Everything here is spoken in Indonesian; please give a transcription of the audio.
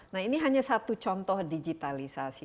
nah ini hanya satu contoh digitalisasi